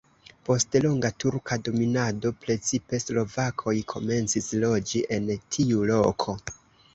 Post longa turka dominado precipe slovakoj komencis loĝi en tiu loko.